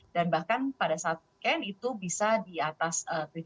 dan bahkan pada saat penumpang itu bisa di atas tujuh puluh delapan puluh